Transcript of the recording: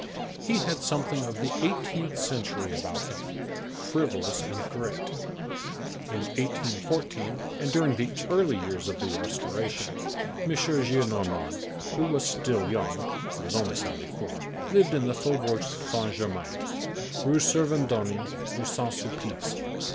He had something of the eighteenth century about him; frivolous and great. In 1814 and during the early years of the Restoration, M. Gillenormand, who was still young,—he was only seventy four,—lived in the Faubourg Saint Germain, Rue Servandoni, near Saint Sulpice.